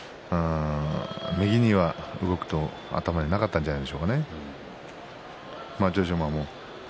右には動くと、頭になかったんじゃないでしょうかね。